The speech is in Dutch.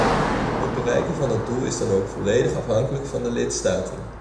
Het bereiken van dat doel is dan ook volledig afhankelijk van de lidstaten.